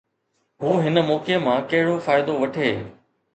هو هن موقعي مان ڪهڙو فائدو وٺي؟